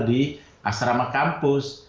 di asrama kampus